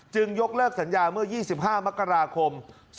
ยกเลิกสัญญาเมื่อ๒๕มกราคม๒๕๖